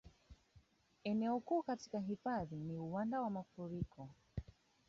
Eneo kuu katika hifadhi ni uwanda wa mafuriko